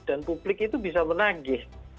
dan publik itu bisa menagih